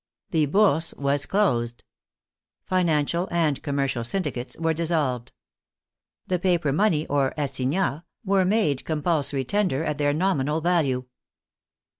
The Bourse was closed. Financial and commercial syndicates were dis solved. The paper money, or assignats, were made com pulsory tender at their nominal value.